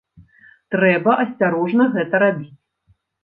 Трэба асцярожна гэта рабіць.